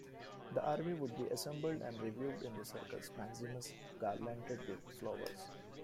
The army would be assembled and reviewed in the Circus Maximus, garlanded with flowers.